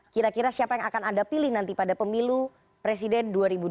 kira kira siapa yang akan anda pilih nanti pada pemilu presiden dua ribu dua puluh